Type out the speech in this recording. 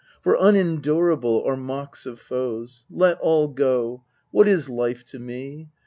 For unendurable are mocks of foes. Let all go : what is life to me